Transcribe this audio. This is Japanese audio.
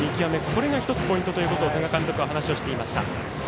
これが１つポイントということを多賀監督は話をしていました。